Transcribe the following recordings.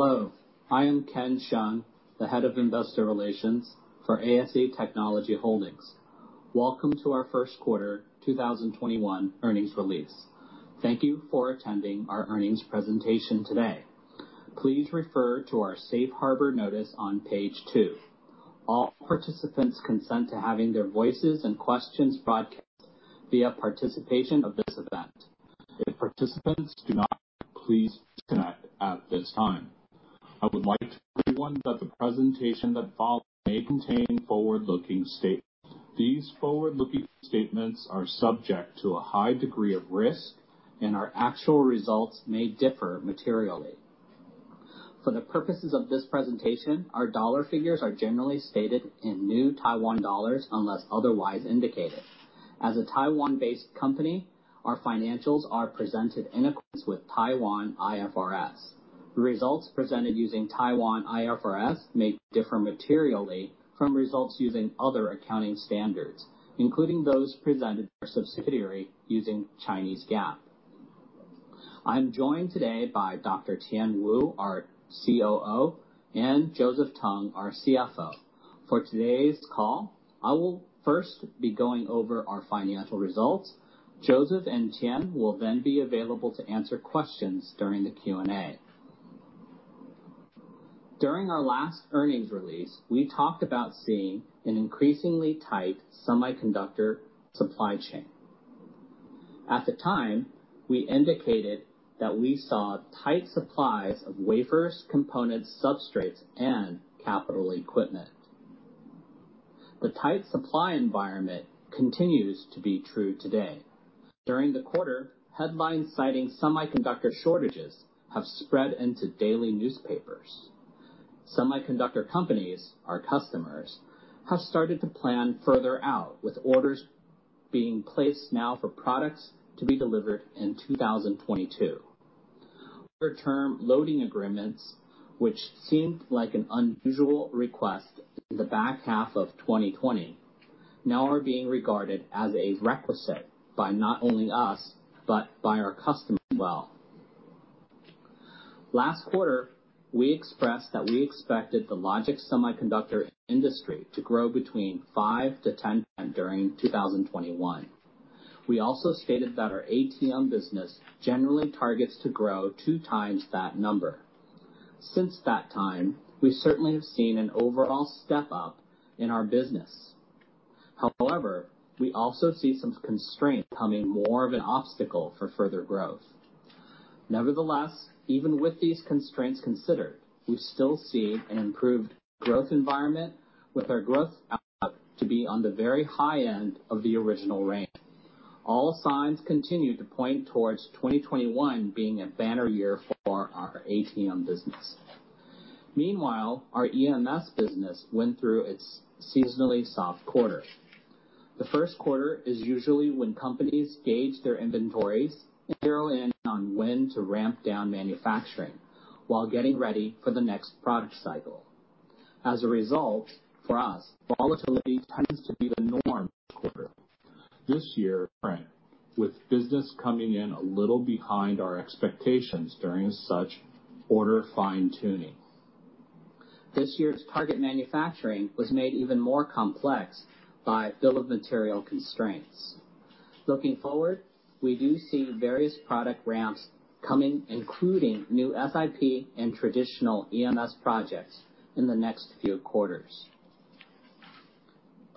Hello. I am Ken Hsiang, the head of investor relations for ASE Technology Holding. Welcome to our first quarter 2021 earnings release. Thank you for attending our earnings presentation today. Please refer to our safe harbor notice on page two. All participants consent to having their voices and questions broadcast via participation of this event. If participants do not, please disconnect at this time. I would like to remind everyone that the presentation that follows may contain forward-looking statements. These forward-looking statements are subject to a high degree of risk, and our actual results may differ materially. For the purposes of this presentation, our dollar figures are generally stated in $, unless otherwise indicated. As a Taiwan-based company, our financials are presented in accordance with Taiwan IFRS. Results presented using Taiwan IFRS may differ materially from results using other accounting standards, including those presented for subsidiary using Chinese GAAP. I'm joined today by Dr. Tien Wu, our COO, and Joseph Tung, our CFO. For today's call, I will first be going over our financial results. Joseph and Tien will then be available to answer questions during the Q&A. During our last earnings release, we talked about seeing an increasingly tight semiconductor supply chain. At the time, we indicated that we saw tight supplies of wafers, components, substrates, and capital equipment. The tight supply environment continues to be true today. During the quarter, headlines citing semiconductor shortages have spread into daily newspapers. Semiconductor companies, our customers, have started to plan further out with orders being placed now for products to be delivered in 2022. Order term loading agreements, which seemed like an unusual request in the back half of 2020, now are being regarded as a requisite by not only us, but by our customers as well. Last quarter, we expressed that we expected the logic semiconductor industry to grow between 5%-10% during 2021. We also stated that our ATM business generally targets to grow two times that number. Since that time, we certainly have seen an overall step up in our business. However, we also see some constraint becoming more of an obstacle for further growth. Nevertheless, even with these constraints considered, we still see an improved growth environment with our growth to be on the very high end of the original range. All signs continue to point towards 2021 being a banner year for our ATM business. Meanwhile, our EMS business went through its seasonally soft quarter. For us, volatility tends to be the norm each quarter. This year, with business coming in a little behind our expectations during such order fine-tuning, this year's target manufacturing was made even more complex by bill of material constraints. Looking forward, we do see various product ramps coming, including new SIP and traditional EMS projects in the next few quarters.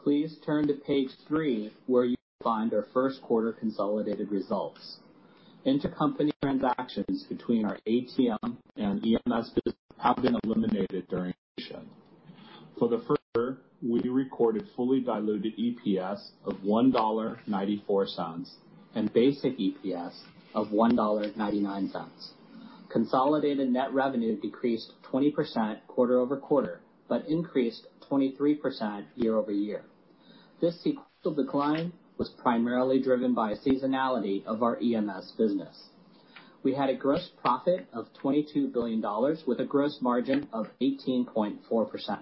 Please turn to page three, where you will find our first quarter consolidated results. Intercompany transactions between our ATM and EMS business have been eliminated during consolidation. For the first quarter, we recorded fully diluted EPS of $1.94 and basic EPS of $1.99. Consolidated net revenue decreased 20% quarter-over-quarter, but increased 23% year-over-year. This sequential decline was primarily driven by seasonality of our EMS business. We had a gross profit of $22 billion with a gross margin of 18.4%.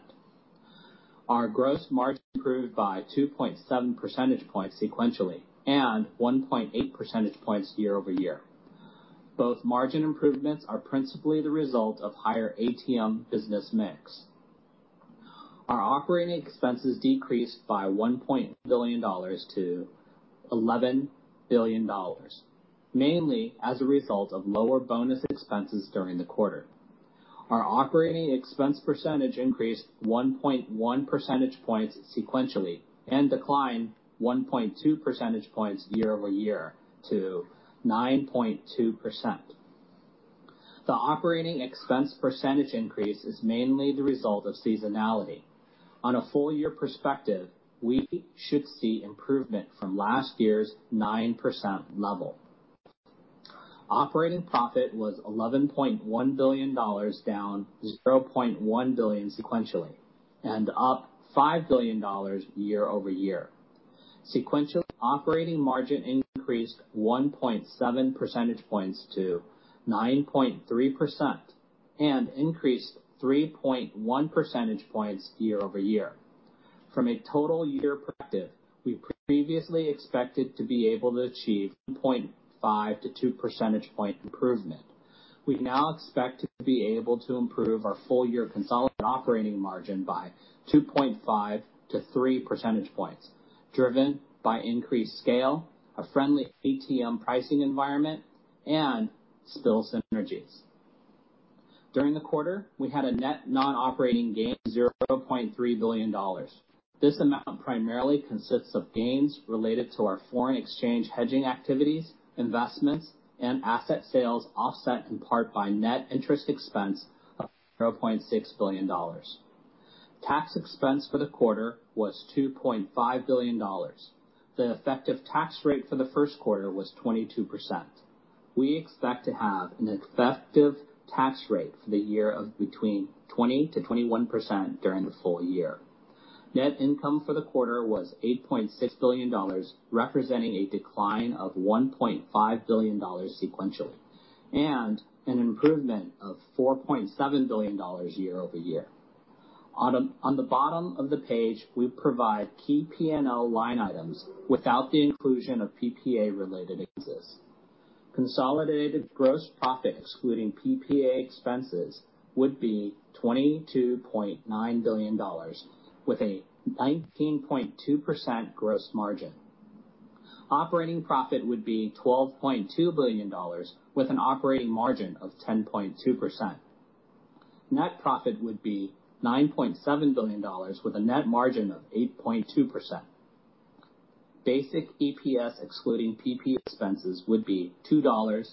Our gross margin improved by 2.7 percentage points sequentially and 1.8 percentage points year-over-year. Both margin improvements are principally the result of higher ATM business mix. Our operating expenses decreased by $1.8 billion to $11 billion, mainly as a result of lower bonus expenses during the quarter. Our operating expense percentage increased 1.1 percentage points sequentially and declined 1.2 percentage points year-over-year to 9.2%. The operating expense percentage increase is mainly the result of seasonality. On a full year perspective, we should see improvement from last year's 9% level. Operating profit was $11.1 billion, down 0.1 billion sequentially, and up $5 billion year-over-year. Sequentially, operating margin increased 1.7 percentage points to 9.3% and increased 3.1 percentage points year-over-year. From a total year perspective, we previously expected to be able to achieve 0.5-2 percentage point improvement. We now expect to be able to improve our full year consolidated operating margin by 2.5-3 percentage points, driven by increased scale, a friendly ATM pricing environment, and SIP synergies. During the quarter, we had a net non-operating gain, $0.3 billion. This amount primarily consists of gains related to our foreign exchange hedging activities, investments, and asset sales, offset in part by net interest expense of $0.6 billion. Tax expense for the quarter was $2.5 billion. The effective tax rate for the first quarter was 22%. We expect to have an effective tax rate for the year of between 20%-21% during the full year. Net income for the quarter was $8.6 billion, representing a decline of $1.5 billion sequentially, an improvement of $4.7 billion year-over-year. On the bottom of the page, we provide key P&L line items without the inclusion of PPA-related expenses. Consolidated gross profit excluding PPA expenses would be $22.9 billion, with a 19.2% gross margin. Operating profit would be $12.2 billion, with an operating margin of 10.2%. Net profit would be $9.7 billion with a net margin of 8.2%. Basic EPS excluding PPA expenses would be 2.26.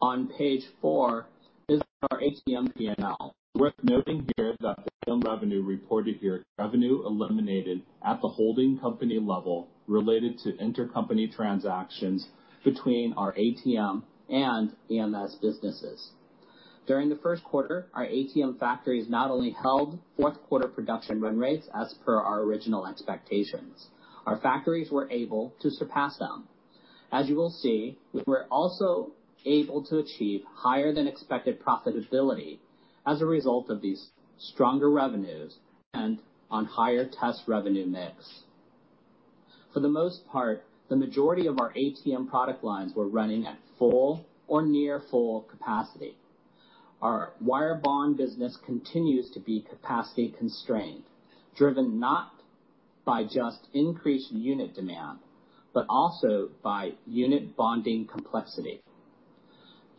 On page four is our ATM P&L. Worth noting here that the revenue reported here, revenue eliminated at the holding company level related to intercompany transactions between our ATM and EMS businesses. During the first quarter, our ATM factories not only held fourth quarter production run rates as per our original expectations. Our factories were able to surpass them. As you will see, we were also able to achieve higher than expected profitability as a result of these stronger revenues and on higher test revenue mix. For the most part, the majority of our ATM product lines were running at full or near full capacity. Our wire bond business continues to be capacity constrained, driven not by just increased unit demand, but also by unit bonding complexity.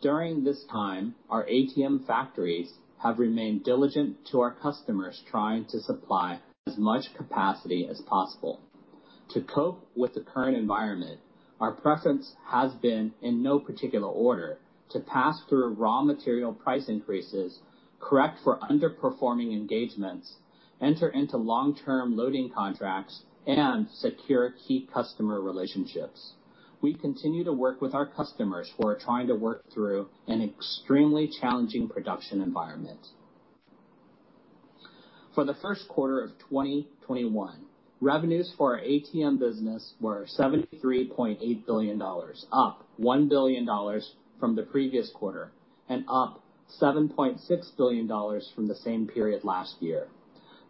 During this time, our ATM factories have remained diligent to our customers, trying to supply as much capacity as possible. To cope with the current environment, our preference has been, in no particular order, to pass through raw material price increases, correct for underperforming engagements, enter into long-term loading contracts, and secure key customer relationships. We continue to work with our customers who are trying to work through an extremely challenging production environment. For the first quarter of 2021, revenues for our ATM business were $73.8 billion, up $1 billion from the previous quarter, and up $7.6 billion from the same period last year.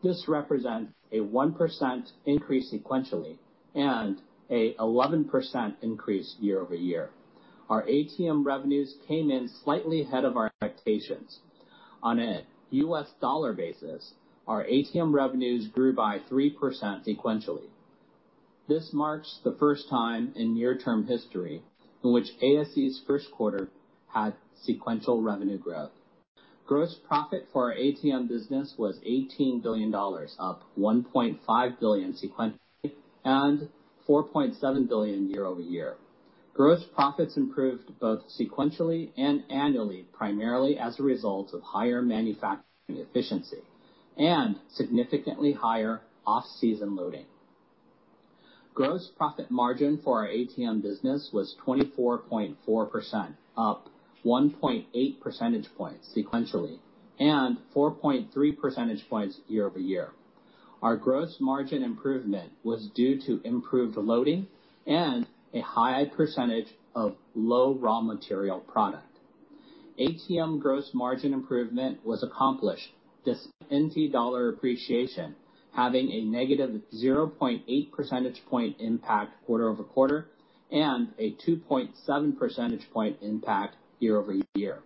This represents a 1% increase sequentially and an 11% increase year-over-year. Our ATM revenues came in slightly ahead of our expectations. On a U.S. dollar basis, our ATM revenues grew by 3% sequentially. This marks the first time in near-term history in which ASE's first quarter had sequential revenue growth. Gross profit for our ATM business was $18 billion, up $1.5 billion sequentially and $4.7 billion year-over-year. Gross profits improved both sequentially and annually, primarily as a result of higher manufacturing efficiency and significantly higher off-season loading. Gross profit margin for our ATM business was 24.4%, up 1.8 percentage points sequentially and 4.3 percentage points year-over-year. Our gross margin improvement was due to improved loading and a high percentage of low raw material product. ATM gross margin improvement was accomplished despite NT dollar appreciation, having a negative 0.8 percentage point impact quarter-over-quarter and a 2.7 percentage point impact year-over-year.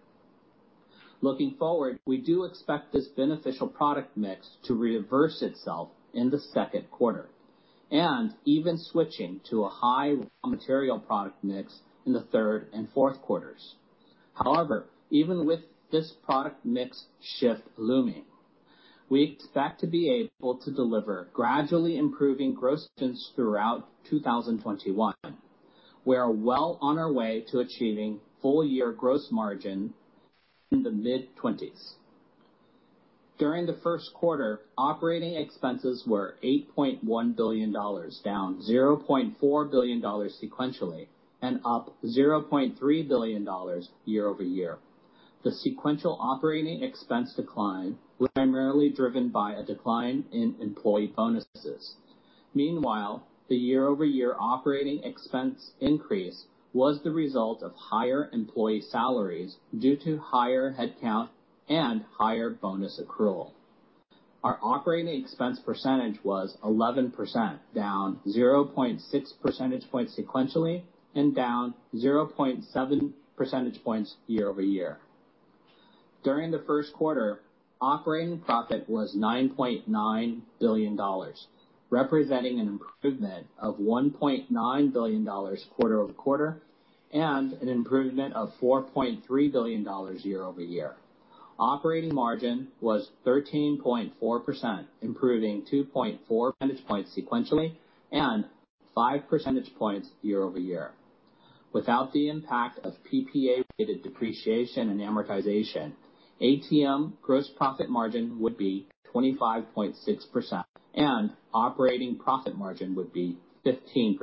Looking forward, we do expect this beneficial product mix to reverse itself in the second quarter, and even switching to a high raw material product mix in the third and fourth quarters. However, even with this product mix shift looming, we expect to be able to deliver gradually improving gross profits throughout 2021. We are well on our way to achieving full-year gross margin in the mid-20s. During the first quarter, operating expenses were $8.1 billion, down $0.4 billion sequentially and up $0.3 billion year-over-year. The sequential operating expense decline was primarily driven by a decline in employee bonuses. Meanwhile, the year-over-year operating expense increase was the result of higher employee salaries due to higher headcount and higher bonus accrual. Our operating expense percentage was 11%, down 0.6 percentage points sequentially and down 0.7 percentage points year-over-year. During the first quarter, operating profit was $9.9 billion, representing an improvement of $1.9 billion quarter-over-quarter and an improvement of $4.3 billion year-over-year. Operating margin was 13.4%, improving 2.4 percentage points sequentially and five percentage points year-over-year. Without the impact of PPA-related depreciation and amortization, ATM gross profit margin would be 25.6% and operating profit margin would be 15%.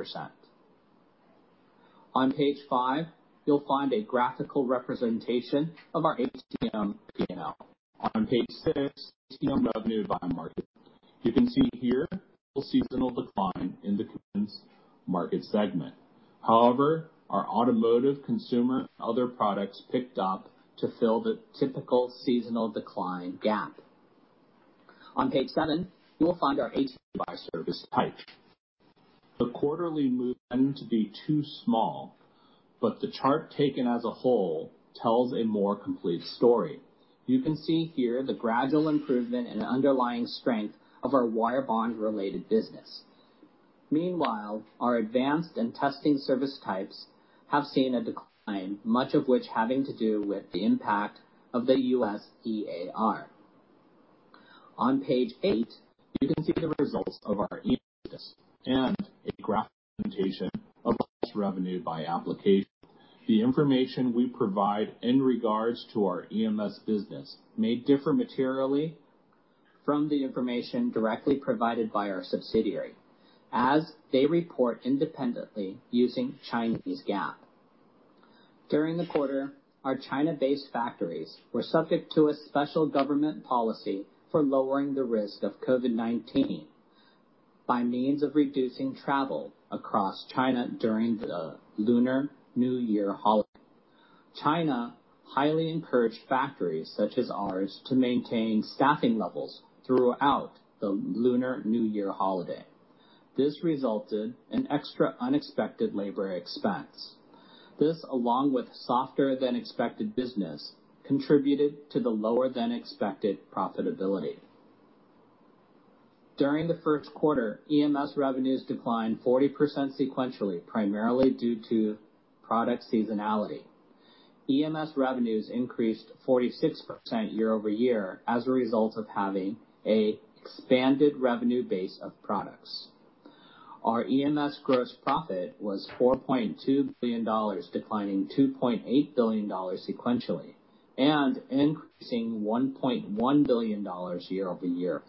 On page five, you'll find a graphical representation of our ATM P&L. On page six, ATM revenue by market. You can see here a seasonal decline in the comms market segment. However, our automotive consumer and other products picked up to fill the typical seasonal decline gap. On page seven, you will find our ATM by service type. The quarterly move happened to be too small, but the chart taken as a whole tells a more complete story. You can see here the gradual improvement and underlying strength of our wire bond-related business. Meanwhile, our advanced and testing service types have seen a decline, much of which having to do with the impact of the U.S. EAR. On page eight, you can see the results of our EMS and a graphical representation of gross revenue by application. The information we provide in regards to our EMS business may differ materially from the information directly provided by our subsidiary, as they report independently using Chinese GAAP. During the quarter, our China-based factories were subject to a special government policy for lowering the risk of COVID-19 by means of reducing travel across China during the Lunar New Year holiday. China highly encouraged factories such as ours to maintain staffing levels throughout the Lunar New Year holiday. This resulted in extra unexpected labor expense. This, along with softer than expected business, contributed to the lower than expected profitability. During the first quarter, EMS revenues declined 40% sequentially, primarily due to product seasonality. EMS revenues increased 46% year-over-year as a result of having an expanded revenue base of products. Our EMS gross profit was $4.2 billion, declining $2.8 billion sequentially and increasing $1.1 billion year-over-year.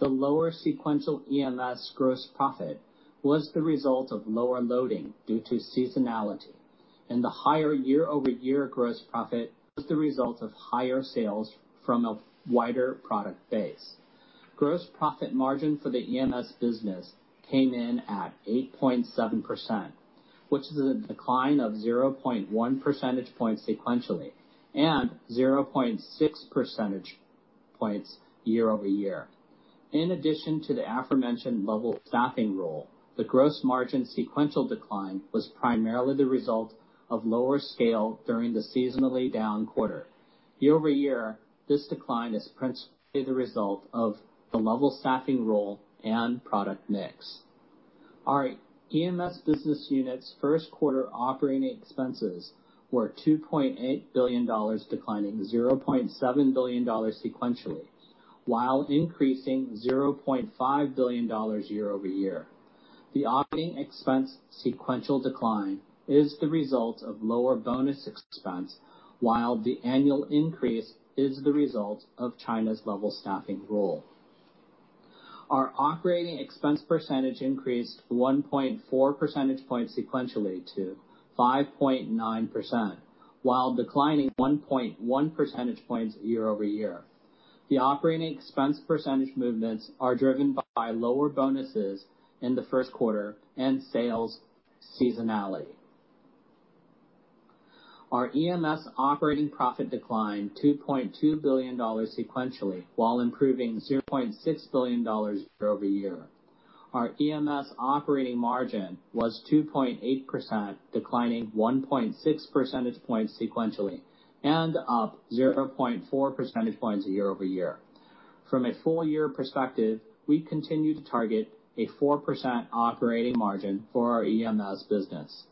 The lower sequential EMS gross profit was the result of lower loading due to seasonality, and the higher year-over-year gross profit was the result of higher sales from a wider product base. Gross profit margin for the EMS business came in at 8.7%, which is a decline of 0.1 percentage points sequentially and 0.6 percentage points year-over-year. In addition to the aforementioned level staffing rule, the gross margin sequential decline was primarily the result of lower scale during the seasonally down quarter. Year-over-year, this decline is principally the result of the level staffing rule and product mix. Our EMS business unit's first quarter operating expenses were $2.8 billion, declining $0.7 billion sequentially, while increasing $0.5 billion year-over-year. The operating expense sequential decline is the result of lower bonus expense, while the annual increase is the result of China's level staffing rule. Our operating expense percentage increased 1.4 percentage points sequentially to 5.9%, while declining 1.1 percentage points year-over-year. The operating expense percentage movements are driven by lower bonuses in the first quarter and sales seasonality. Our EMS operating profit declined $2.2 billion sequentially while improving $0.6 billion year-over-year. Our EMS operating margin was 2.8%, declining 1.6 percentage points sequentially and up 0.4 percentage points year-over-year. From a full-year perspective, we continue to target a 4% operating margin for our EMS business.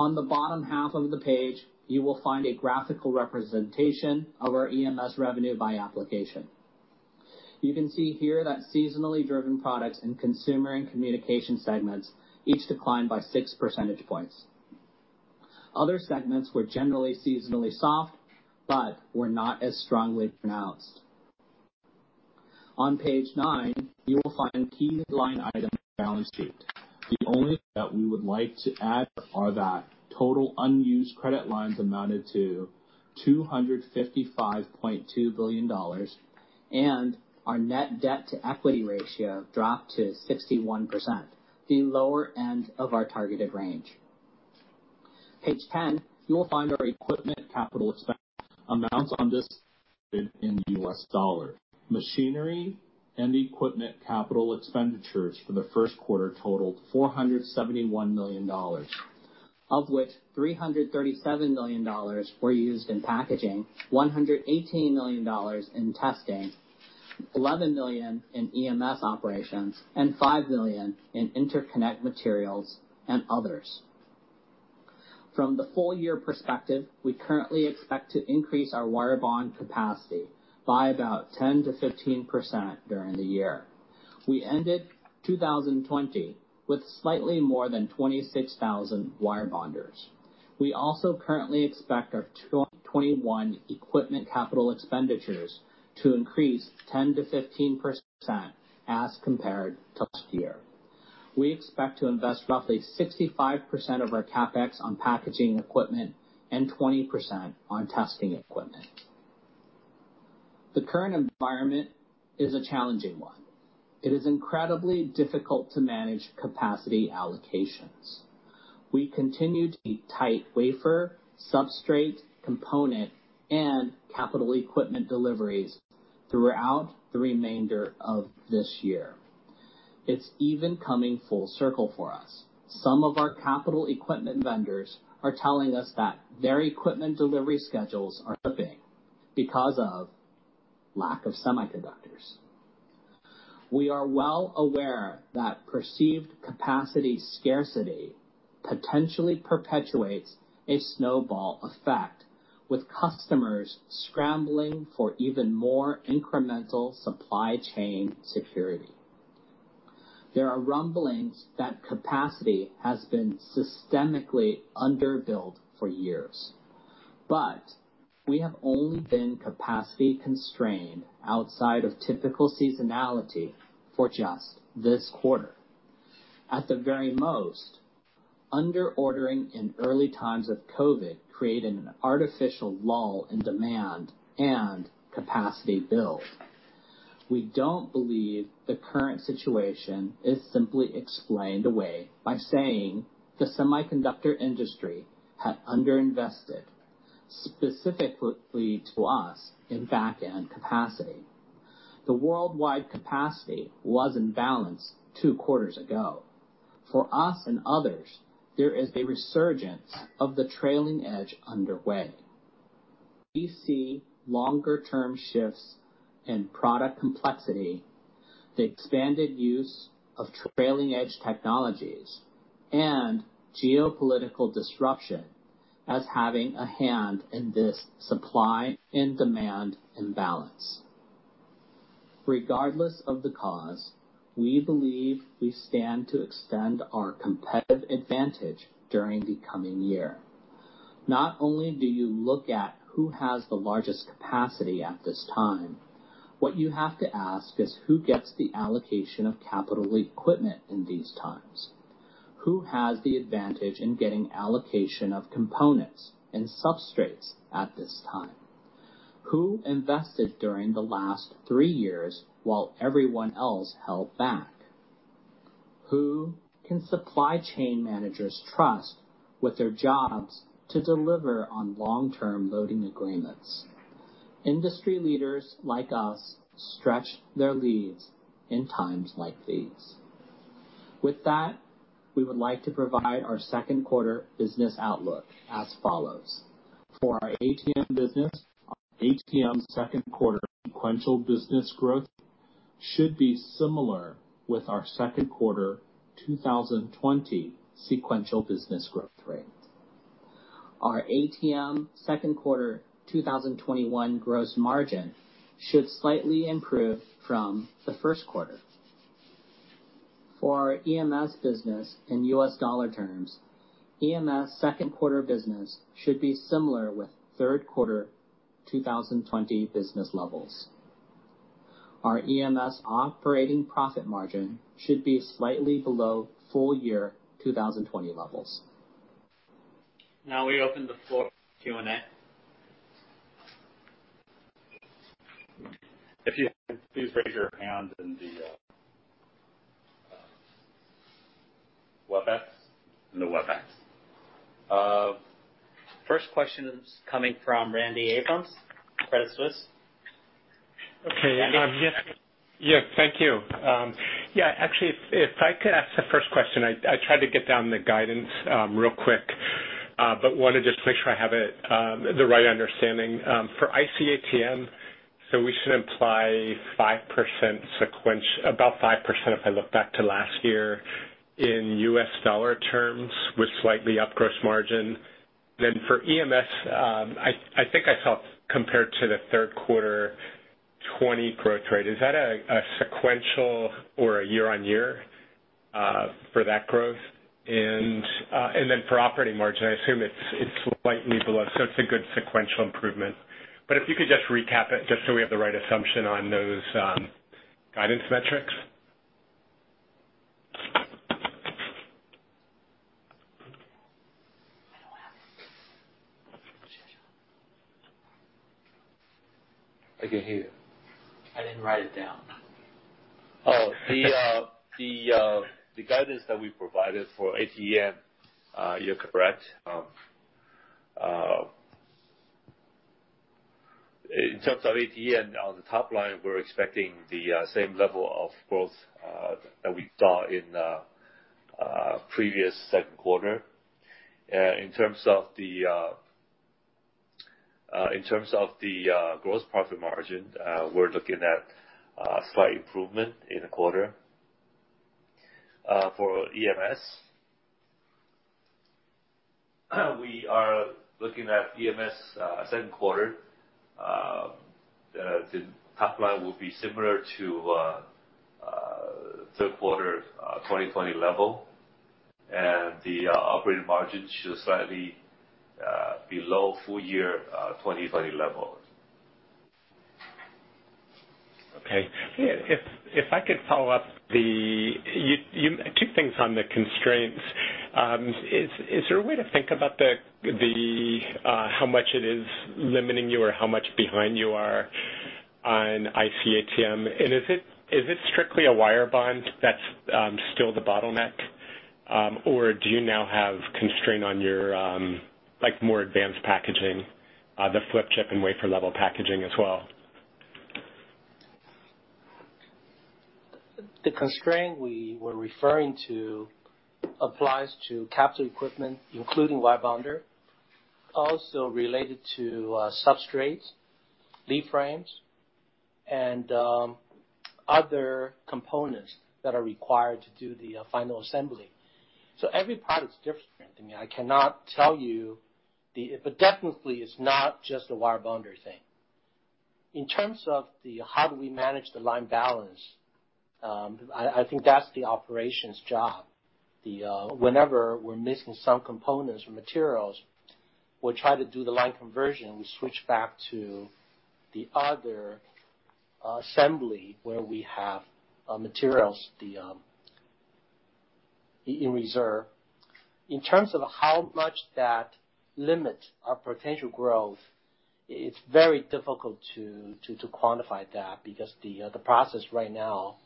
On the bottom half of the page, you will find a graphical representation of our EMS revenue by application. You can see here that seasonally driven products in consumer and communication segments each declined by six percentage points. Other segments were generally seasonally soft, but were not as strongly pronounced. On page nine, you will find key line items of the balance sheet. The only thing that we would like to add are that total unused credit lines amounted to $255.2 billion, and our net debt to equity ratio dropped to 61%, the lower end of our targeted range. Page 10, you will find our equipment capital expense amounts on this in the U.S. dollar. Machinery and equipment capital expenditures for the first quarter totaled $471 million, of which $337 million were used in packaging, $118 million in testing, $11 million in EMS operations, and $5 million in interconnect materials and others. From the full year perspective, we currently expect to increase our wire bond capacity by about 10%-15% during the year. We ended 2020 with slightly more than 26,000 wire bonders. We also currently expect our 2021 equipment capital expenditures to increase 10%-15% as compared to last year. We expect to invest roughly 65% of our CapEx on packaging equipment and 20% on testing equipment. The current environment is a challenging one. It is incredibly difficult to manage capacity allocations. We continue to see tight wafer, substrate, component, and capital equipment deliveries throughout the remainder of this year. It's even coming full circle for us. Some of our capital equipment vendors are telling us that their equipment delivery schedules are slipping because of lack of semiconductors. We are well aware that perceived capacity scarcity potentially perpetuates a snowball effect, with customers scrambling for even more incremental supply chain security. There are rumblings that capacity has been systemically under-built for years, but we have only been capacity constrained outside of typical seasonality for just this quarter. At the very most, under-ordering in early times of COVID created an artificial lull in demand and capacity build. We don't believe the current situation is simply explained away by saying, the semiconductor industry had under-invested, specifically to us, in back-end capacity. The worldwide capacity was in balance two quarters ago. For us and others, there is a resurgence of the trailing edge underway. We see longer term shifts in product complexity, the expanded use of trailing edge technologies, and geopolitical disruption as having a hand in this supply and demand imbalance. Regardless of the cause, we believe we stand to extend our competitive advantage during the coming year. Not only do you look at who has the largest capacity at this time, what you have to ask is, who gets the allocation of capital equipment in these times? Who has the advantage in getting allocation of components and substrates at this time? Who invested during the last three years while everyone else held back? Who can supply chain managers trust with their jobs to deliver on long-term loading agreements? Industry leaders like us stretch their leads in times like these. With that, we would like to provide our second quarter business outlook as follows. For our ATM business, our ATM second quarter sequential business growth should be similar with our second quarter 2020 sequential business growth rate. Our ATM second quarter 2021 gross margin should slightly improve from the first quarter. For our EMS business in U.S. dollar terms, EMS second quarter business should be similar with third quarter 2020 business levels. Our EMS operating profit margin should be slightly below full year 2020 levels. Now we open the floor for Q&A. If you have one, please raise your hand in the Webex. First question is coming from Randy Abrams, Credit Suisse. Randy? Okay. Yes, thank you. Actually, if I could ask the first question, I tried to get down the guidance real quick, but want to just make sure I have the right understanding. For IC ATM, we should imply about 5% if I look back to last year in U.S. dollar terms, with slightly up gross margin. For EMS, I think I saw compared to the third quarter 2020 growth rate. Is that a sequential or a year-on-year for that growth? For operating margin, I assume it's slightly below, so it's a good sequential improvement. If you could just recap it just so we have the right assumption on those guidance metrics. I don't have it. I can hear you. I didn't write it down. Oh, the guidance that we provided for ATM, you're correct. In terms of ATM, on the top line, we're expecting the same level of growth that we saw in previous second quarter. In terms of the gross profit margin, we're looking at slight improvement in the quarter. For EMS, we are looking at EMS second quarter. The top line will be similar to third quarter 2020 level, and the operating margin slightly below full year 2020 level. Okay. If I could follow up, two things on the constraints. Is there a way to think about how much it is limiting you or how much behind you are on IC ATM, and is it strictly a wire bond that's still the bottleneck? Or do you now have constraint on your more advanced packaging, the flip chip and wafer-level packaging as well? The constraint we were referring to applies to capital equipment, including wire bonder. Also related to substrates, lead frames, and other components that are required to do the final assembly. Every product is different. I cannot tell you, but definitely it's not just a wire bonder thing. In terms of how do we manage the line balance, I think that's the operations job. Whenever we're missing some components or materials, we try to do the line conversion. We switch back to the other assembly where we have materials in reserve. In terms of how much that limits our potential growth, it's very difficult to quantify that because the process right now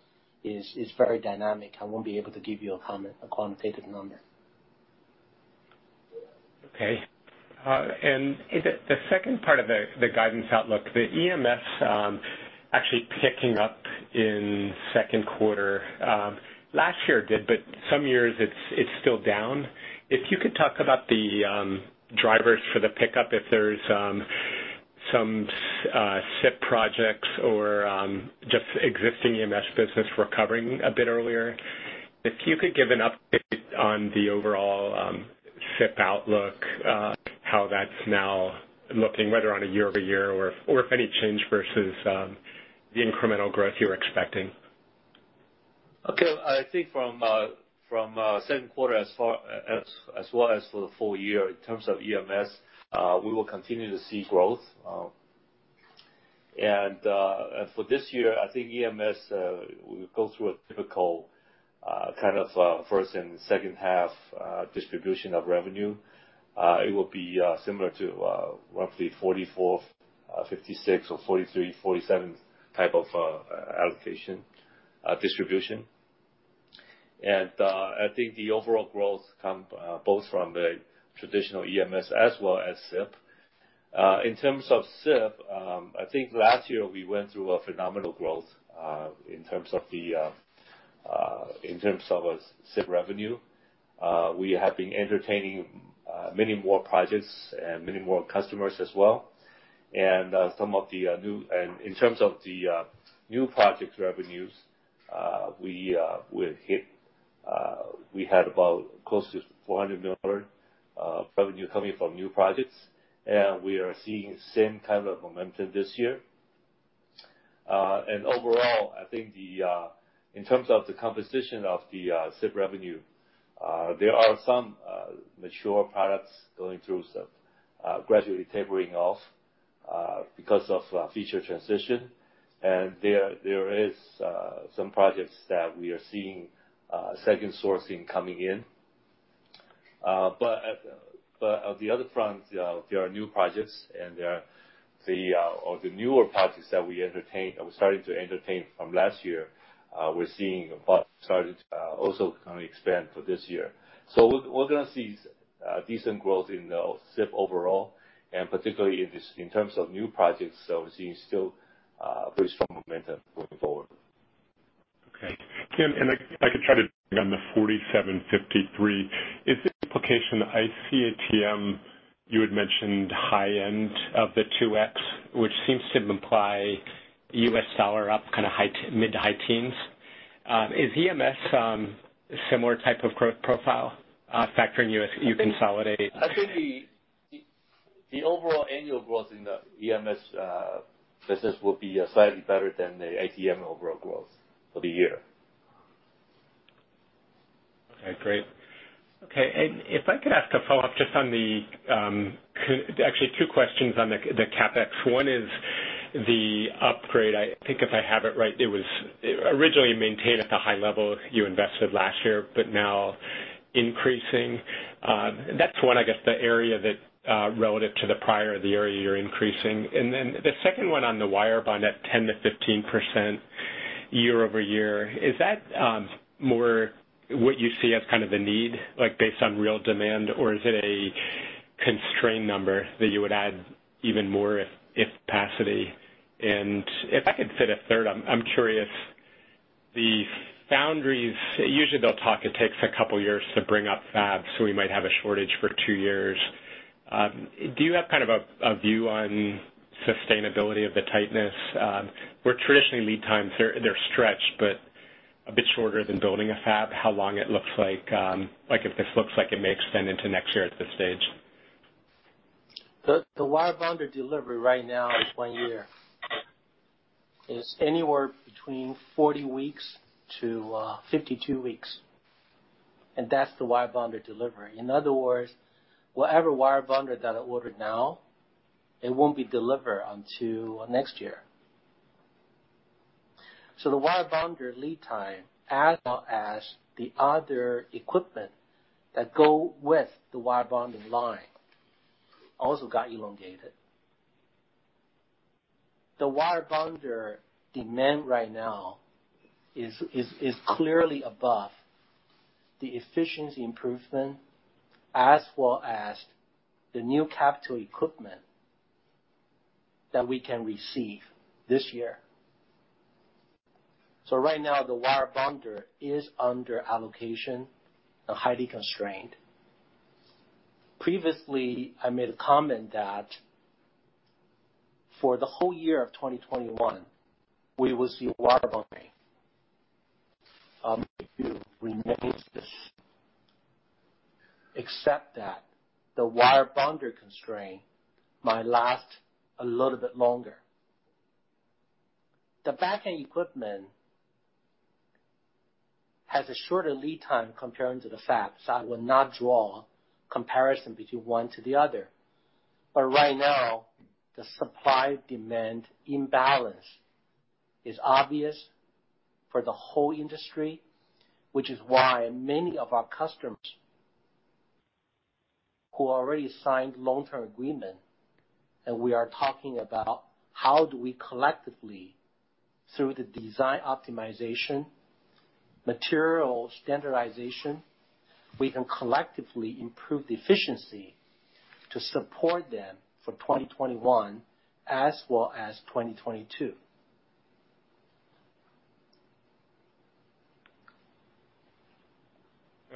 is very dynamic. I won't be able to give you a comment, a quantitative number. Okay. The second part of the guidance outlook, the EMS actually picking up in second quarter. Last year it did, but some years it's still down. If you could talk about the drivers for the pickup, if there's some SIP projects or just existing EMS business recovering a bit earlier. If you could give an update on the overall SIP outlook, how that's now looking, whether on a year-over-year or if any change versus the incremental growth you were expecting. I think from second quarter as well as for the full year in terms of EMS, we will continue to see growth. For this year, I think EMS will go through a typical first and second half distribution of revenue. It will be similar to roughly 44/56 or 43/47 type of allocation distribution. I think the overall growth comes both from the traditional EMS as well as SIP. In terms of SIP, I think last year we went through a phenomenal growth in terms of SIP revenue. We have been entertaining many more projects and many more customers as well. In terms of the new project revenues, we had about close to $400 million of revenue coming from new projects, and we are seeing the same kind of momentum this year. Overall, I think in terms of the composition of the SIP revenue, there are some mature products going through gradually tapering off because of feature transition. There is some projects that we are seeing second sourcing coming in. On the other front, there are new projects and there are the newer projects that we started to entertain from last year. We're seeing started to also kind of expand for this year. We're going to see decent growth in SIP overall, and particularly in terms of new projects, so we're seeing still very strong momentum going forward. Okay. Tien, I could try to dig on the 47/53. Is the implication IC ATM, you had mentioned high end of the 2X, which seems to imply U.S. Dollar up mid to high teens? Is EMS similar type of growth profile, factoring you consolidate? I think the overall annual growth in the EMS business will be slightly better than the ATM overall growth for the year. Okay, great. If I could ask a follow-up, actually two questions on the CapEx. One is the upgrade. I think if I have it right, it was originally maintained at the high level you invested last year, but now increasing. That's one, I guess, the area that relative to the prior, the area you're increasing. Then the second one on the wire bond at 10%-15% year-over-year. Is that more what you see as the need based on real demand, or is it a constrained number that you would add even more if capacity? If I could fit a third, I'm curious. The foundries, usually they'll talk, it takes a couple of years to bring up fabs, so we might have a shortage for two years. Do you have a view on sustainability of the tightness? Where traditionally lead times, they're stretched, but a bit shorter than building a fab, how long it looks like. If this looks like it may extend into next year at this stage. The wire bonder delivery right now is one year. It's anywhere between 40-52 weeks. That's the wire bonder delivery. In other words, whatever wire bonder that I ordered now, it won't be delivered until next year. The wire bonder lead time, as well as the other equipment that go with the wire bonding line, also got elongated. The wire bonder demand right now is clearly above the efficiency improvement, as well as the new capital equipment that we can receive this year. Right now, the wire bonder is under allocation and highly constrained. Previously, I made a comment that for the whole year of 2021, we will see wire bonding. I'll maintain this, except that the wire bonder constraint might last a little bit longer. The back-end equipment has a shorter lead time comparing to the fabs. I will not draw comparison between one to the other. Right now, the supply-demand imbalance is obvious for the whole industry, which is why many of our customers who already signed long-term agreement, and we are talking about how do we collectively, through the design optimization, material standardization, we can collectively improve the efficiency to support them for 2021 as well as 2022.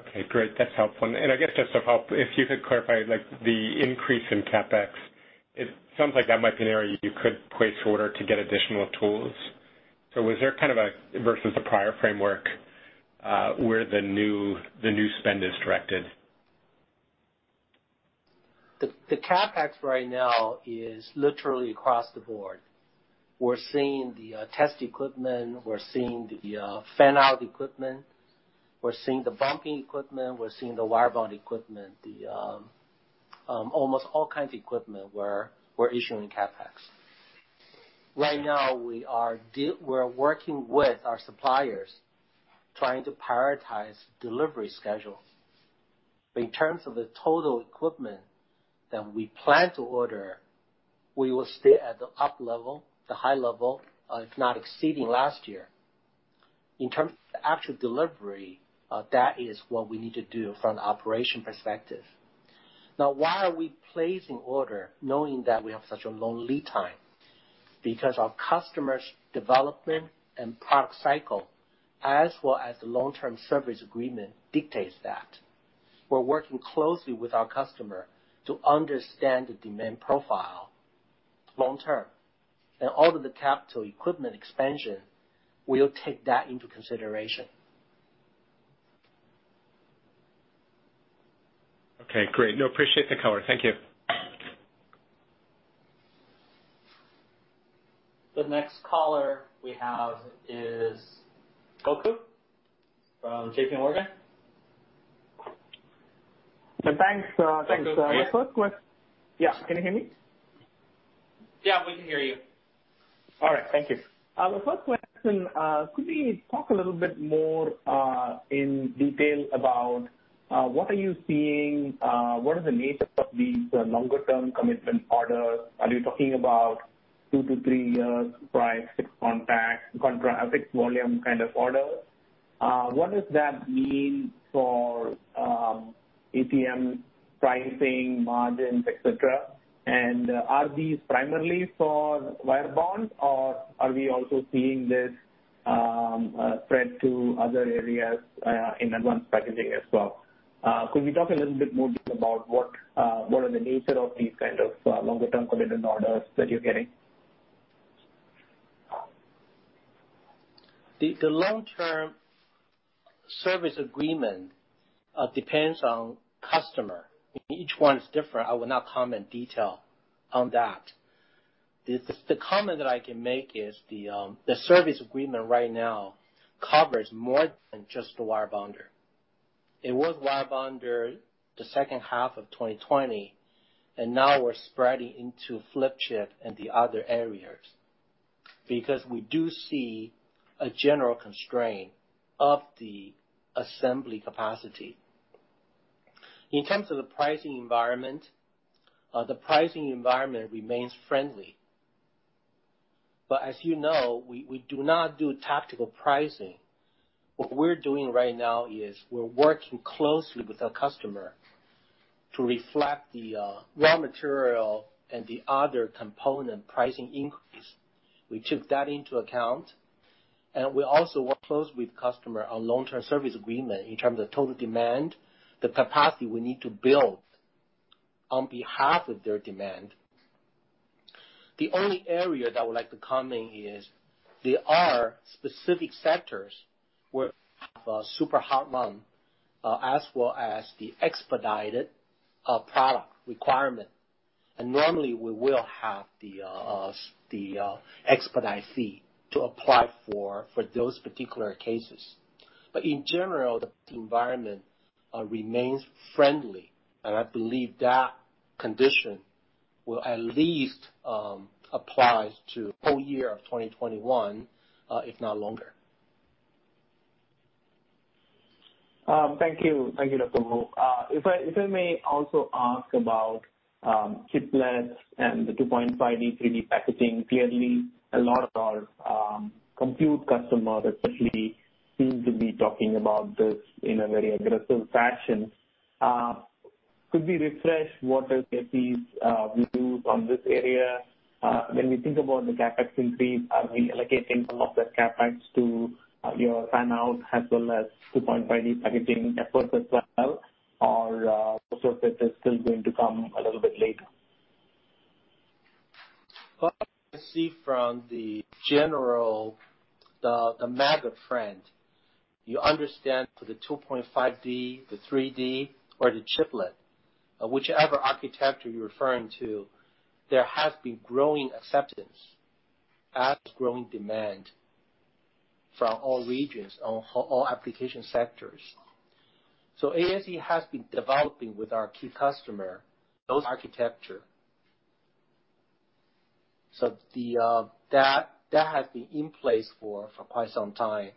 Okay, great. That's helpful. I guess just to help, if you could clarify, the increase in CapEx, it sounds like that might be an area you could place order to get additional tools. Was there kind of versus the prior framework, where the new spend is directed? The CapEx right now is literally across the board. We're seeing the test equipment, we're seeing the fan-out equipment, we're seeing the bumping equipment, we're seeing the wire bond equipment. Almost all kinds of equipment we're issuing CapEx. Right now, we're working with our suppliers, trying to prioritize delivery schedule. In terms of the total equipment that we plan to order, we will stay at the up level, the high level, if not exceeding last year. In terms of the actual delivery, that is what we need to do from the operation perspective. Now, why are we placing order knowing that we have such a long lead time? Because our customer's development and product cycle, as well as the long-term service agreement dictates that. We're working closely with our customer to understand the demand profile long term. All of the capital equipment expansion, we'll take that into consideration. Okay, great. No, appreciate the color. Thank you. The next caller we have is Gokul from JPMorgan. Thanks. Gokul, go ahead. Yeah, can you hear me? Yeah, we can hear you. All right. Thank you. The first question, could we talk a little bit more in detail about what are you seeing, what is the nature of these longer term commitment orders? Are you talking about two to three years price, fixed contract, fixed volume kind of orders? What does that mean for ATM pricing, margins, et cetera? Are these primarily for wire bond or are we also seeing this spread to other areas in advanced packaging as well? Could we talk a little bit more about what are the nature of these kind of longer-term commitment orders that you're getting? The long-term service agreement depends on customer. Each one is different. I will not comment detail on that. The comment that I can make is the service agreement right now covers more than just the wire bonder. It was wire bonder the second half of 2020, and now we're spreading into flip chip and the other areas, because we do see a general constraint of the assembly capacity. In terms of the pricing environment, the pricing environment remains friendly. As you know, we do not do tactical pricing. What we're doing right now is we're working closely with our customer to reflect the raw material and the other component pricing increase. We took that into account, and we also work close with customer on long-term service agreement in terms of total demand, the capacity we need to build on behalf of their demand. The only area that I would like to comment is, there are specific sectors where super hot run, as well as the expedited product requirement. Normally we will have the expedite fee to apply for those particular cases. In general, the environment remains friendly, and I believe that condition will at least applies to whole year of 2021, if not longer. Thank you, Dr. Wu. If I may also ask about chiplets and the 2.5D 3D packaging. Clearly a lot of our compute customers especially seem to be talking about this in a very aggressive fashion. Could we refresh what is ASE's views on this area? When we think about the CapEx increase, are we allocating some of that CapEx to your fan-out as well as 2.5D packaging efforts as well? Those efforts are still going to come a little bit later? Well, I see from the general, the mega trend. You understand for the 2.5D, the 3D, or the chiplet, whichever architecture you're referring to, there has been growing acceptance as growing demand from all regions, all application sectors. ASE has been developing with our key customer, those architecture. That has been in place for quite some time.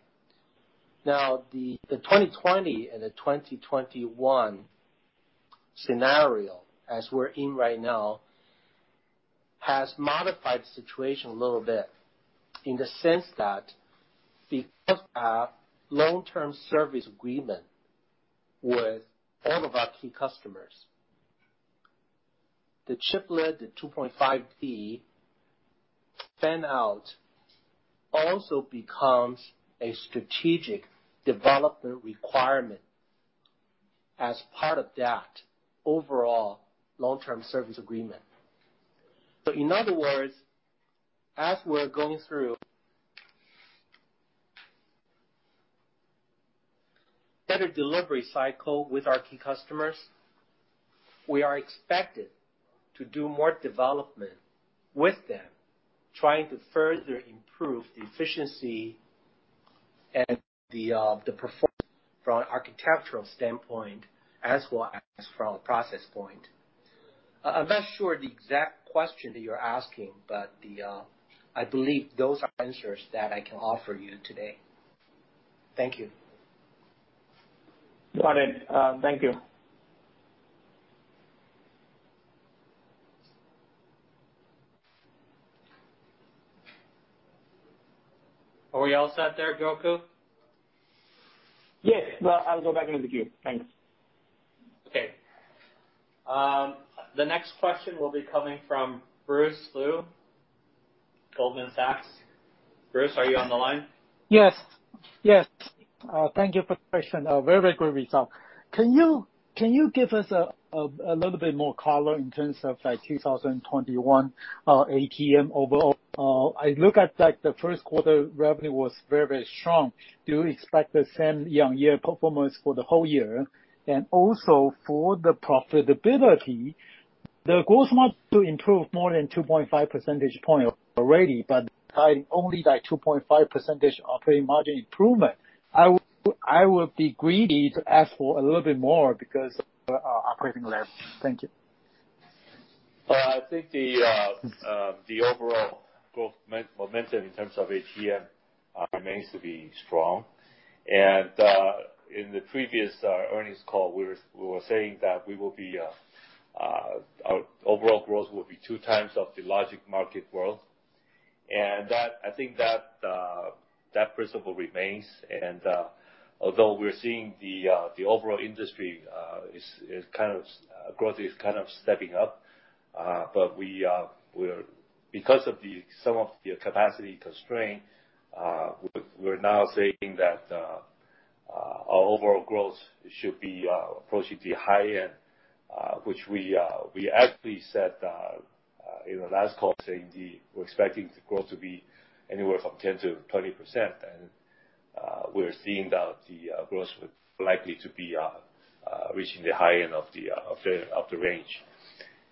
Now, the 2020 and the 2021 scenario, as we're in right now, has modified the situation a little bit in the sense that because our long-term service agreement with all of our key customers, the chiplet, the 2.5D fan-out also becomes a strategic development requirement as part of that overall long-term service agreement. In other words, as we're going through better delivery cycle with our key customers, we are expected to do more development with them, trying to further improve the efficiency and the performance from an architectural standpoint as well as from a process point. I'm not sure the exact question that you're asking, but I believe those are answers that I can offer you today. Thank you. Got it. Thank you. Are we all set there, Gokul? Yes. I will go back into the queue. Thanks. Okay. The next question will be coming from Bruce Lu, Goldman Sachs. Bruce, are you on the line? Yes. Thank you for the presentation. Very good result. Can you give us a little bit more color in terms of 2021 ATM overall? I look at the first quarter revenue was very strong. Do you expect the same year-over-year performance for the whole year? Also for the profitability, the gross margin to improve more than 2.5 percentage point already, but guiding only 2.5% operating margin improvement. I would be greedy to ask for a little bit more because operating leverage. Thank you. I think the overall growth momentum in terms of ATM remains to be strong. In the previous earnings call, we were saying that our overall growth will be 2x of the logic market growth. I think that principle remains. Although we're seeing the overall industry growth is kind of stepping up. Because of some of the capacity constraint, we're now saying that our overall growth should be approaching the high end, which we actually said in the last call, saying we're expecting the growth to be anywhere from 10%-20%. We're seeing that the growth is likely to be reaching the high end of the range.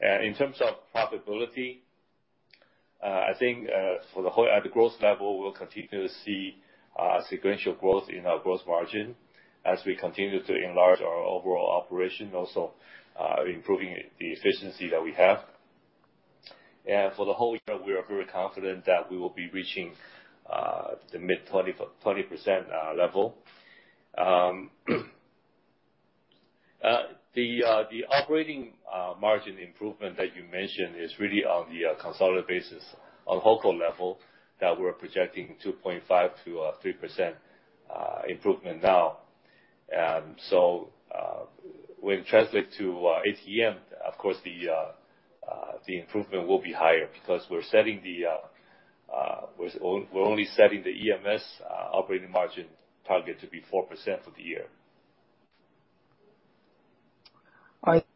In terms of profitability, I think at the gross level, we'll continue to see sequential growth in our gross margin as we continue to enlarge our overall operation, also improving the efficiency that we have. For the whole year, we are very confident that we will be reaching the mid-20% level. The operating margin improvement that you mentioned is really on the consolidated basis. On holdco, that we're projecting 2.5%-3% improvement now. When translate to ASE, of course, the improvement will be higher because we're only setting the EMS operating margin target to be 4% for the year.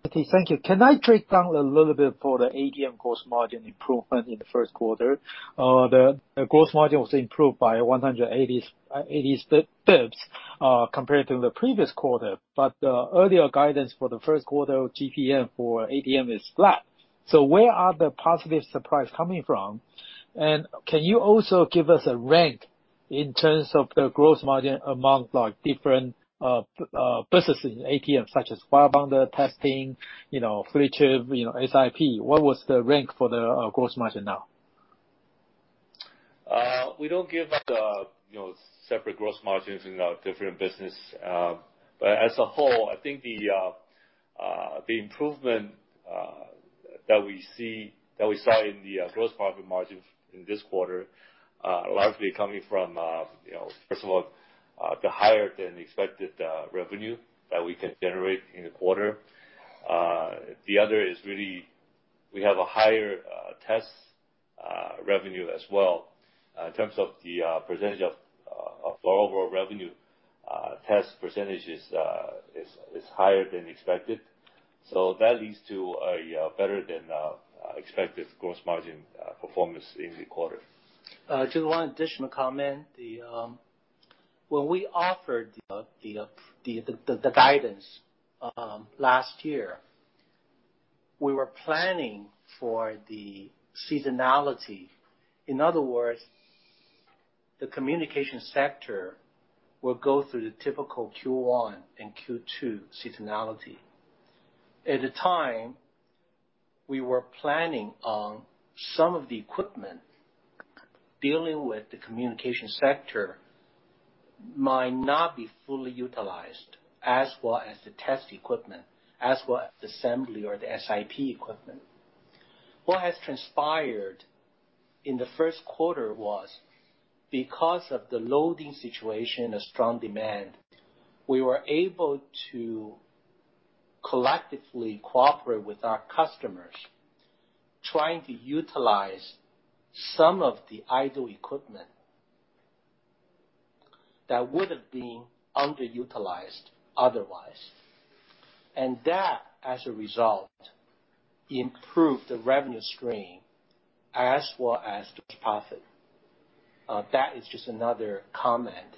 All right. Thank you. Can I drill down a little bit for the ATM gross margin improvement in the first quarter? The gross margin was improved by 180 basis points compared to the previous quarter, but the earlier guidance for the first quarter GM for ATM is flat. Where are the positive surprise coming from? Can you also give us a rank in terms of the gross margin among different businesses in ATM, such as wire bond testing, flip chip, SIP? What was the rank for the gross margin now? We don't give out separate gross margins in our different business. As a whole, I think the improvement that we saw in the gross profit margin in this quarter, largely coming from, first of all, the higher than expected revenue that we can generate in the quarter. The other is really we have a higher test revenue as well. In terms of the percentage of our overall revenue, test percentage is higher than expected. That leads to a better than expected gross margin performance in the quarter. Just one additional comment. When we offered the guidance last year, we were planning for the seasonality. In other words, the communication sector will go through the typical Q1 and Q2 seasonality. At the time, we were planning on some of the equipment dealing with the communication sector might not be fully utilized as well as the test equipment, as well as the assembly or the SIP equipment. What has transpired in the first quarter was because of the loading situation and strong demand, we were able to collectively cooperate with our customers, trying to utilize some of the idle equipment that would've been underutilized otherwise. That, as a result, improved the revenue stream as well as the profit. That is just another comment.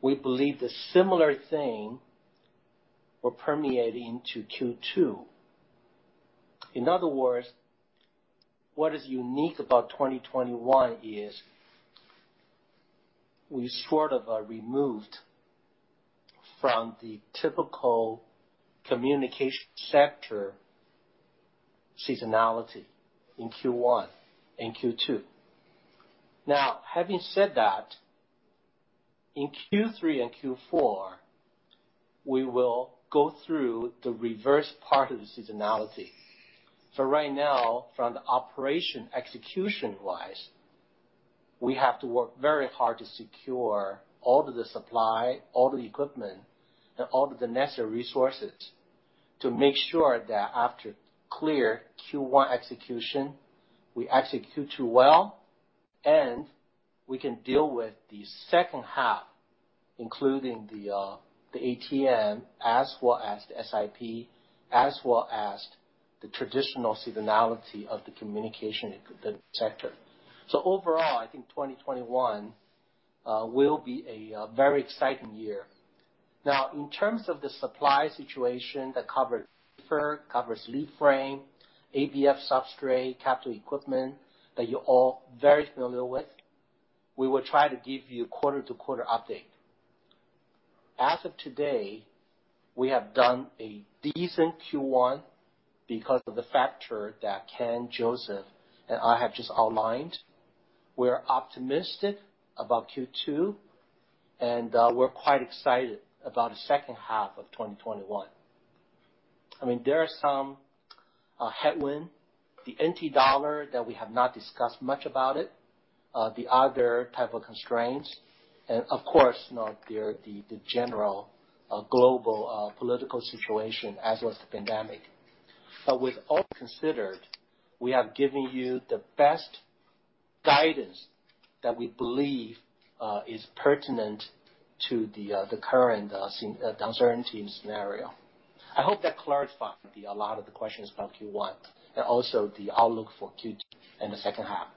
We believe the similar thing will permeate into Q2. In other words, what is unique about 2021 is we sort of are removed from the typical communication sector seasonality in Q1 and Q2. Having said that, in Q3 and Q4, we will go through the reverse part of the seasonality. For right now, from the operation execution-wise, we have to work very hard to secure all of the supply, all the equipment, and all of the necessary resources to make sure that after clear Q1 execution, we execute too well, and we can deal with the second half, including the ATM, as well as the SIP, as well as the traditional seasonality of the communication sector. Overall, I think 2021 will be a very exciting year. In terms of the supply situation that covers wafer, covers leadframe, ABF substrate, capital equipment, that you're all very familiar with, we will try to give you quarter-to-quarter update. As of today, we have done a decent Q1 because of the factor that Ken, Joseph, and I have just outlined. We're optimistic about Q2, and we're quite excited about the second half of 2021. There are some headwinds, the NT dollar that we have not discussed much about it. The other type of constraints, and of course, now there is the general global political situation, as well as the pandemic. With all considered, we have given you the best guidance that we believe is pertinent to the current uncertainty scenario. I hope that clarified a lot of the questions about Q1, and also the outlook for Q2 and the second half.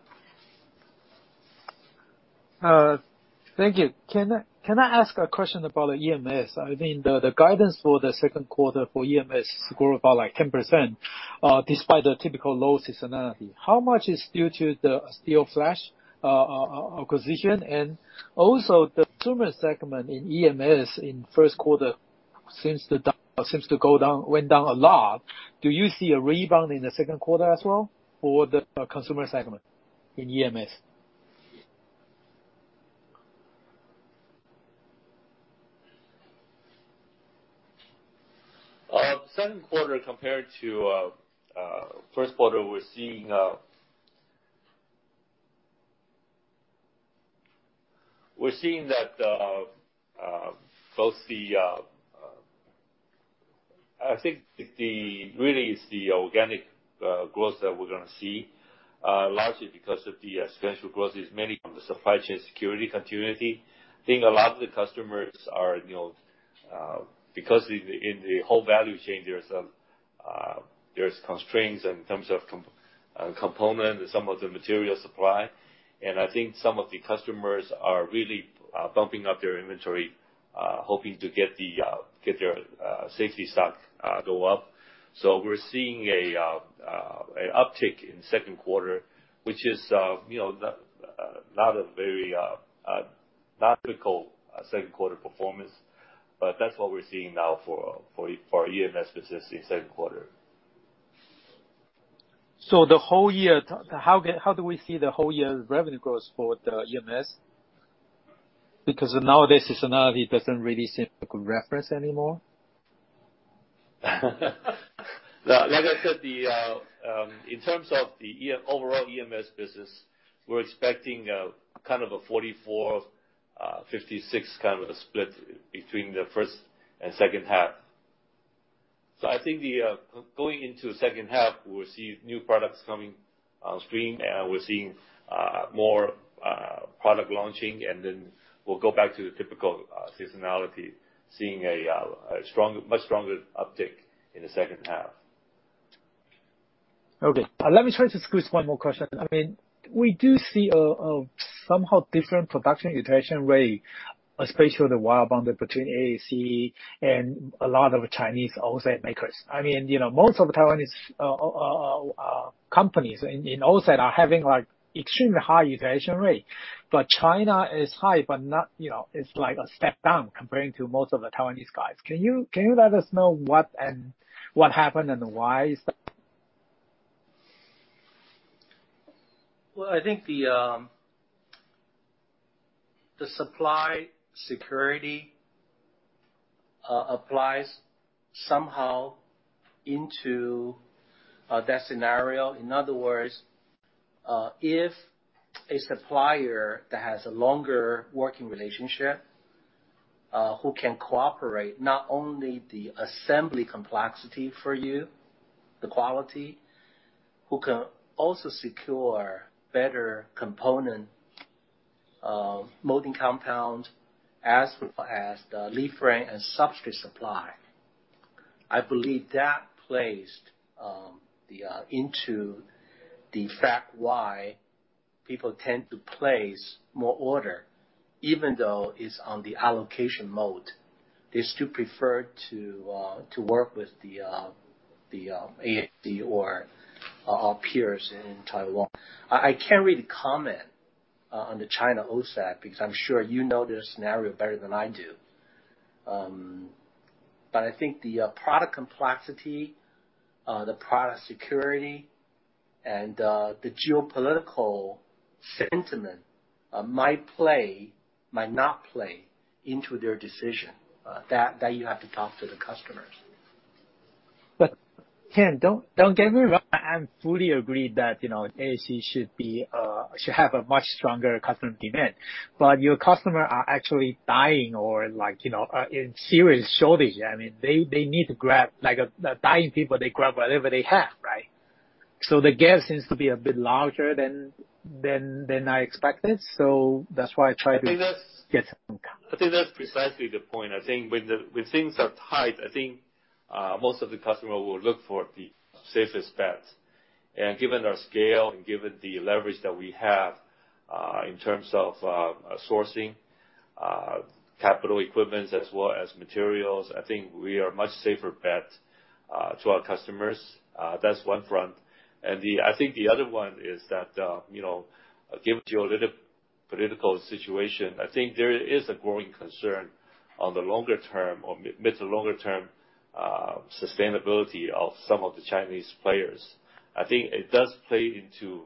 Thank you. Can I ask a question about EMS? I think the guidance for the second quarter for EMS grew about 10%, despite the typical low seasonality. How much is due to the Asteelflash acquisition? Also, the consumer segment in EMS in first quarter seems to went down a lot. Do you see a rebound in the second quarter as well for the consumer segment in EMS? Second quarter compared to first quarter, we're seeing that both the I think really is the organic growth that we're going to see, largely because of the special growth is mainly from the supply chain security continuity. I think a lot of the customers are, because in the whole value chain, there's constraints in terms of component and some of the material supply. I think some of the customers are really bumping up their inventory, hoping to get their safety stock go up. We're seeing an uptick in second quarter, which is not a very typical second quarter performance. That's what we're seeing now for EMS specifically second quarter. The whole year, how do we see the whole year's revenue growth for the EMS? Because nowadays, seasonality doesn't really seem like a reference anymore. Like I said, in terms of the overall EMS business, we're expecting kind of a 44%, 56% kind of a split between the first and second half. I think going into the second half, we'll see new products coming on stream, and we're seeing more product launching, and then we'll go back to the typical seasonality, seeing a much stronger uptick in the second half. Okay. Let me try to squeeze one more question. We do see a somehow different production utilization rate, especially the wire bonder between ASE and a lot of Chinese OSAT makers. Most of Taiwanese companies in OSAT are having extremely high utilization rate, but China is high, but it's a step down comparing to most of the Taiwanese guys. Can you let us know what happened and why is that? I think the supply security applies somehow into that scenario. In other words, if a supplier that has a longer working relationship, who can cooperate not only the assembly complexity for you, the quality, who can also secure better component molding compound, as well as the lead frame and substrate supply, I believe that plays into the fact why people tend to place more order, even though it's on the allocation mode. They still prefer to work with the ASE or our peers in Taiwan. I can't really comment on the China OSAT because I'm sure you know this scenario better than I do. I think the product complexity, the product security, and the geopolitical sentiment might not play into their decision. That, you have to talk to the customers. Tien, don't get me wrong. I fully agree that ASE should have a much stronger customer demand, but your customer are actually dying or in serious shortage. They need to grab. Like dying people, they grab whatever they can, right? The gap seems to be a bit larger than I expected. I think that's- get some clarity. I think that's precisely the point. I think when things are tight, I think most of the customer will look for the safest bets. Given our scale and given the leverage that we have, in terms of sourcing, capital equipment as well as materials, I think we are much safer bet to our customers. That's one front. I think the other one is that, given geopolitical situation, I think there is a growing concern on the longer term or mid to longer term sustainability of some of the Chinese players. I think it does play into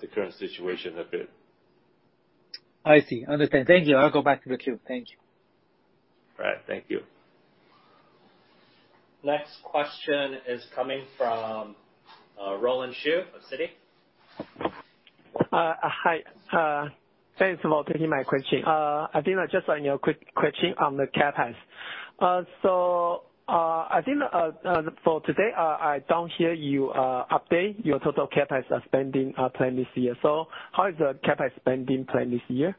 the current situation a bit. I see. Understand. Thank you. I'll go back to the queue. Thank you. All right. Thank you. Next question is coming from Roland Shu of Citi. Hi. Thanks for taking my question. Just a quick question on the CapEx. I think for today, I don't hear you update your total CapEx spending plan this year. How is the CapEx spending plan this year?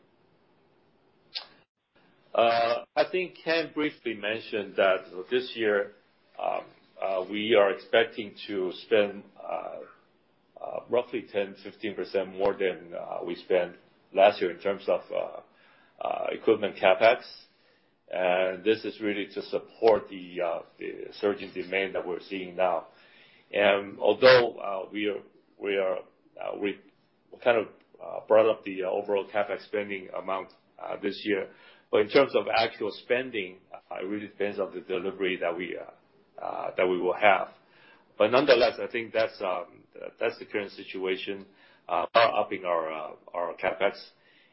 I think Ken briefly mentioned that this year, we are expecting to spend roughly 10%, 15% more than we spent last year in terms of equipment CapEx. This is really to support the surging demand that we're seeing now. Although we brought up the overall CapEx spending amount this year, but in terms of actual spending, it really depends on the delivery that we will have. Nonetheless, I think that's the current situation, we are upping our CapEx.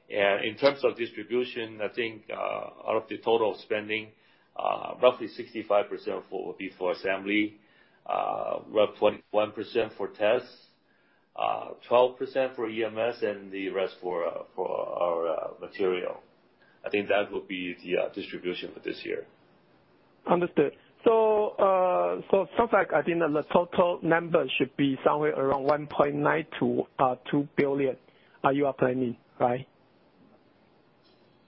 In terms of distribution, I think out of the total spending, roughly 65% will be for assembly, around 21% for tests, 12% for EMS and the rest for our material. I think that will be the distribution for this year. Understood. So far, I think that the total number should be somewhere around $1.9 billion-$2 billion you are planning, right?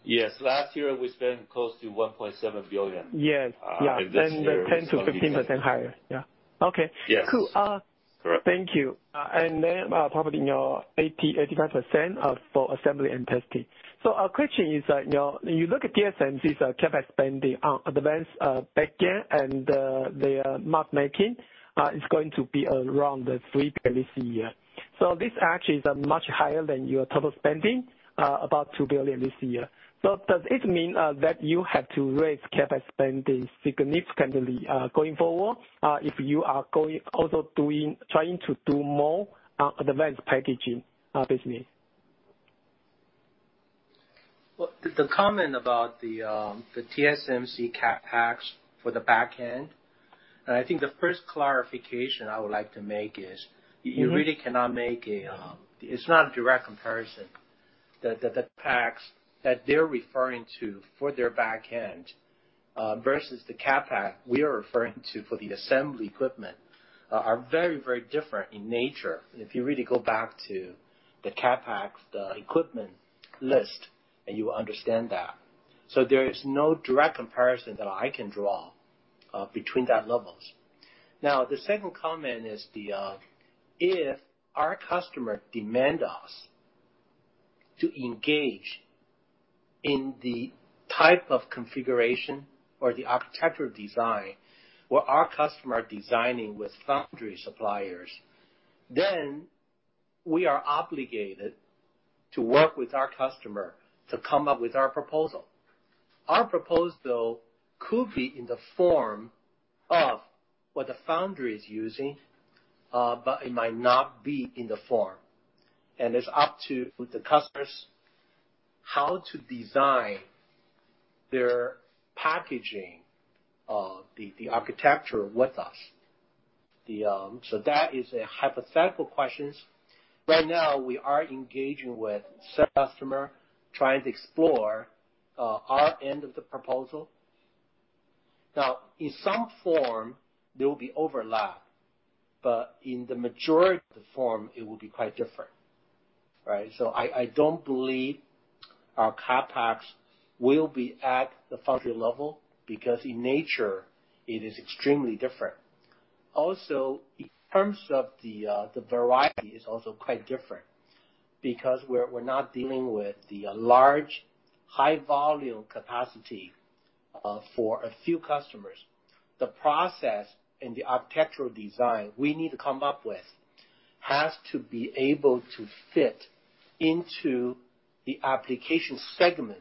Yes. Last year we spent close to $1.7 billion. Yes. Yeah. This year 10%-15% higher. Yeah. Okay. Yes. Cool. Correct. Thank you. Probably your 80%, 85% for assembly and testing. Our question is, you look at TSMC's CapEx spending on advanced backend and their mask making, is going to be around $3 billion this year. This actually is much higher than your total spending, about $2 billion this year. Does it mean that you have to raise CapEx spending significantly, going forward, if you are also trying to do more advanced packaging business? Well, the comment about the TSMC CapEx for the backend, I think the first clarification I would like to make is, you really cannot make. It's not a direct comparison. The CapEx that they're referring to for their backend, versus the CapEx we are referring to for the assembly equipment, are very, very different in nature. If you really go back to the CapEx, the equipment list, and you will understand that. There is no direct comparison that I can draw between that levels. Now, the second comment is, if our customer demand us to engage in the type of configuration or the architectural design where our customer are designing with foundry suppliers, then we are obligated to work with our customer to come up with our proposal. Our proposal could be in the form of what the foundry is using, but it might not be in the form. It's up to the customers how to design their packaging, the architecture with us. That is a hypothetical questions. Right now, we are engaging with said customer, trying to explore our end of the proposal. Now, in some form, there will be overlap, but in the majority of the form, it will be quite different. Right? I don't believe our CapEx will be at the foundry level, because in nature it is extremely different. Also, in terms of the variety, it's also quite different. Because we're not dealing with the large, high volume capacity for a few customers. The process and the architectural design we need to come up with has to be able to fit into the application segment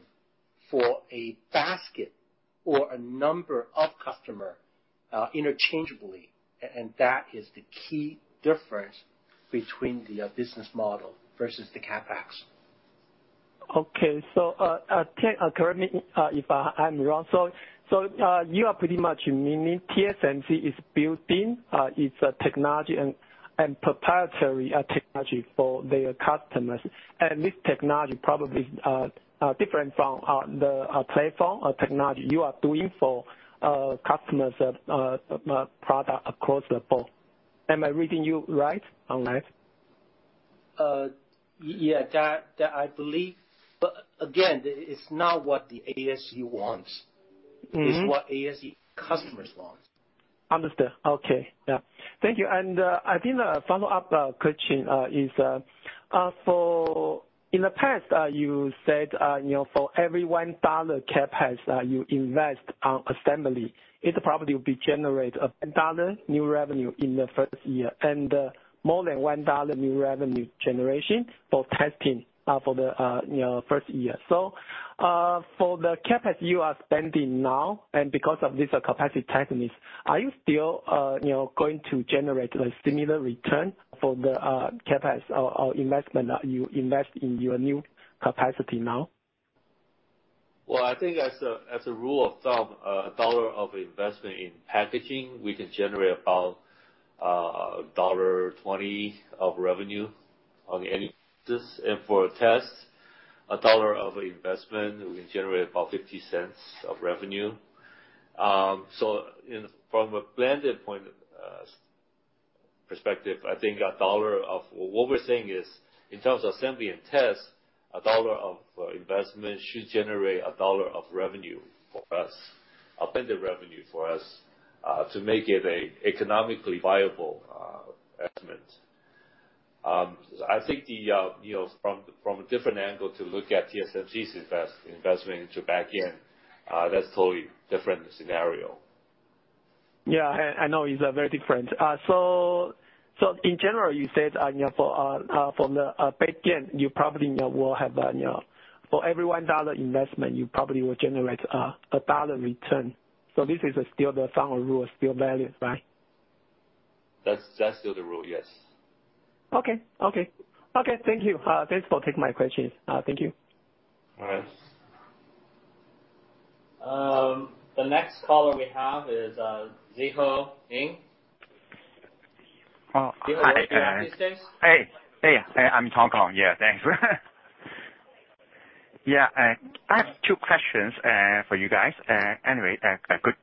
for a basket or a number of customer interchangeably. That is the key difference between the business model versus the CapEx. Okay. Correct me if I am wrong. You are pretty much meaning TSMC is building its technology and proprietary technology for their customers. This technology probably different from the platform technology you are doing for customers product across the board. Am I reading you right on that? Yeah. That I believe. Again, it's not what the ASE wants. It's what ASE customers wants. Understood. Okay. Yeah. Thank you. I think a follow-up question is, in the past, you said, for every $1 CapEx you invest on assembly, it probably will be generate a $1 new revenue in the first year and more than $1 new revenue generation for testing for the first year. For the CapEx you are spending now, and because of this capacity tightness, are you still going to generate a similar return for the CapEx or investment that you invest in your new capacity now? I think as a rule of thumb, $1 of investment in packaging, we can generate about $1.20 of revenue on an annual basis. For a test, $1 of investment, we can generate about $0.50 of revenue. From a blended point of view, I think what we're saying is, in terms of assembly and test, $1 of investment should generate $1 of revenue for us, appended revenue for us, to make it an economically viable investment. I think from a different angle to look at TSMC's investment into back-end, that's totally different scenario. Yeah, I know it's very different. In general, you said from the back-end, for every $1 investment, you probably will generate a $1 return. This is still the thumb rule, still valid, right? That's still the rule, yes. Okay. Thank you. Thanks for taking my questions. Thank you. All right. The next caller we have is Szeho Ng. Oh, hi. Szeho are you with us? Hey. I'm Hong Kong. Yeah, thanks. Yeah. I have two questions for you guys, anyway, good.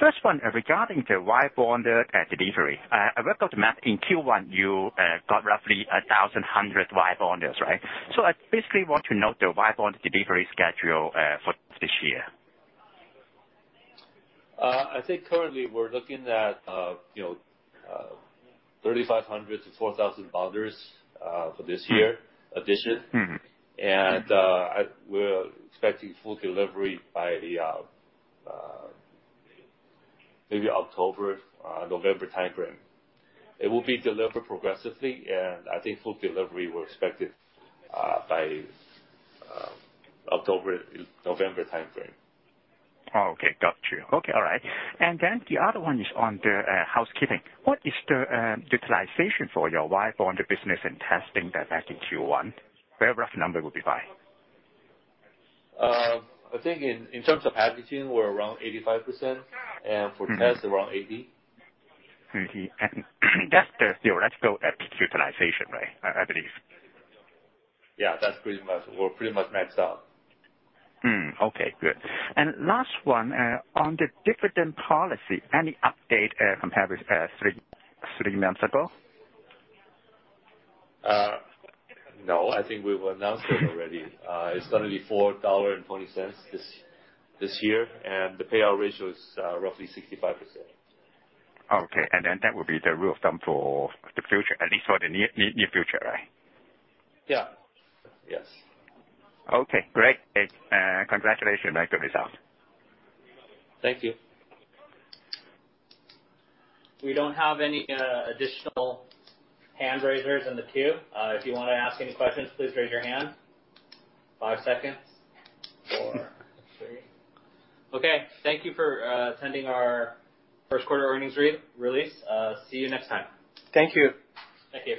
First one, regarding the wire bonder delivery. I read off the math in Q1, you got roughly 1,100 wire bonder this, right? I basically want to know the wire bonder delivery schedule for this year. I think currently we're looking at 3,500 to 4,000 bonders for this year. We're expecting full delivery by maybe October, November timeframe. It will be delivered progressively, and I think full delivery we're expected by October, November timeframe. Oh, okay. Got you. Okay. All right. The other one is on the housekeeping. What is the utilization for your wire bonding business and testing as at Q1? Where rough number would be by? I think in terms of packaging, we're around 85%, and for- tests, around 80. That's the theoretical capacity utilization, right? I believe. Yeah, we're pretty much maxed out. Okay, good. Last one, on the dividend policy, any update compared with three months ago? No, I think we've announced it already. It's going to be $4.20 this year. The payout ratio is roughly 65%. Okay, that will be the rule of thumb for the future. At least for the near future, right? Yeah. Yes. Okay, great. Congratulations on the good results. Thank you. We don't have any additional hand raisers in the queue. If you want to ask any questions, please raise your hand. Five seconds. Four, three Okay, thank you for attending our first quarter earnings release. See you next time. Thank you. Thank you.